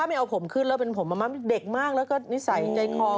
แมละปีสองก็สิบกว่ายังไม่๒๐เลยนะ